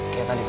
kayak tadi pak